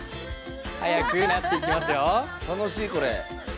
速くなっていきますよ。